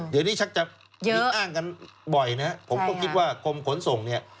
เดี๋ยวนี้ชักจะมีอ้างกันบ่อยนะผมก็คิดว่ากรมขนส่งเนี่ย